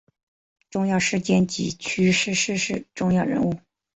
重要事件及趋势逝世重要人物